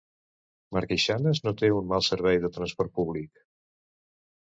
Marqueixanes no té un mal servei de transport públic.